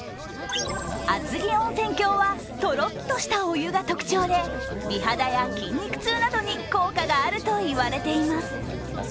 あつぎ温泉郷はとろっとしたお湯が特徴で美肌や筋肉痛などに効果があると言われています。